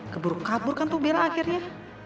keburu kabur kan tuh biar akhirnya